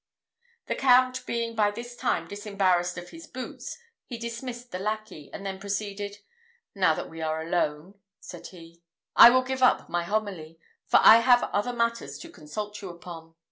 The Count being by this time disembarrassed of his boots, he dismissed the lackey, and then proceeded: "Now that we are alone," said he, "I will give up my homily, for I have other matter to consult you upon.